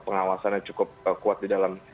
pengawasannya cukup kuat di dalam